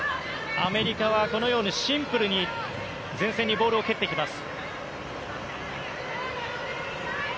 アメリカはこのようにシンプルに前線にボールを蹴ってきます。